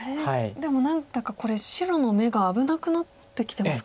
でも何だかこれ白の眼が危なくなってきてますか？